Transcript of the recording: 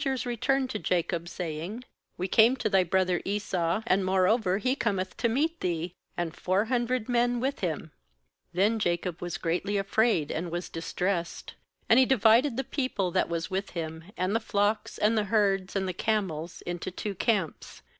7 GENESIS returned to Jacob, saying: 'We came to thy brother Esau, and moreover he cometh to meet thee, and four hundred men with him/ 8Then Jacob was greatly afraid and was distressed. And he divided the people that was with him, and the flocks, and the herds, and the camels, into two camps.